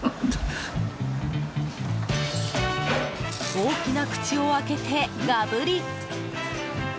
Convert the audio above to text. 大きな口を開けて、がぶり！